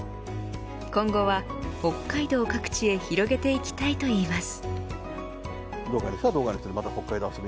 今後は北海道各地へ広げていきたいと言います。